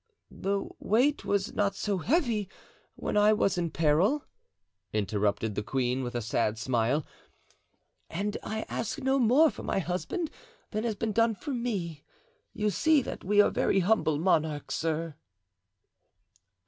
"The weight was not so heavy when I was in peril," interrupted the queen, with a sad smile, "and I ask no more for my husband than has been done for me; you see that we are very humble monarchs, sir."